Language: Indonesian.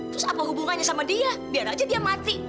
terus apa hubungannya sama dia biar aja dia mati